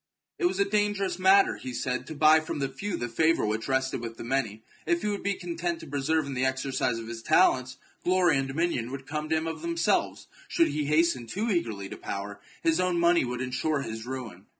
It was a dangerous matter, he said, to buy from the few the favour which rested with the many. If he would be content to persevere in the exercise of his talents, glory and dominion would come to him of themselves : should he hasten too eagerly to power, his own money would ensure his ruin.